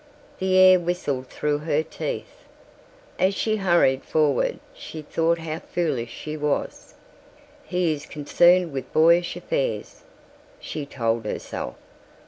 The air whistled through her teeth. As she hurried forward she thought how foolish she was. "He is concerned with boyish affairs," she told herself.